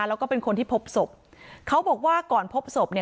แล้วก็เป็นคนที่พบศพเขาบอกว่าก่อนพบศพเนี่ย